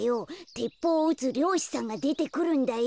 てっぽうをうつりょうしさんがでてくるんだよ。